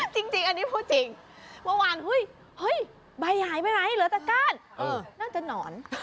จริงอันนี้พูดจริงเมื่อวานเฮ้ยใบหายไปไหนเหลือตะก้านน่าจะหนอน